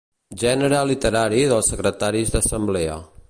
Gènere literari dels secretaris d'assemblea.